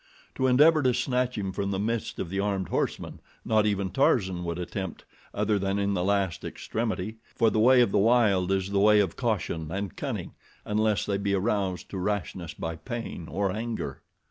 To endeavor to snatch him from the midst of the armed horsemen, not even Tarzan would attempt other than in the last extremity, for the way of the wild is the way of caution and cunning, unless they be aroused to rashness by pain or anger.